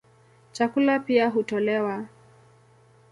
Chakula pia hutolewa.